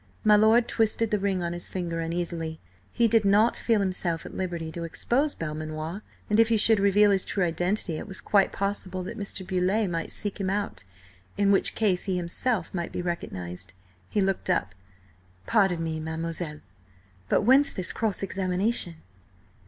My lord twisted the ring on his finger uneasily. He did not feel himself at liberty to expose Belmanoir, and if he should reveal his true identity, it was quite possible that Mr. Beauleigh might seek him out, in which case he himself might be recognised. He looked up. "Pardon me, mademoiselle, but whence this cross examination?"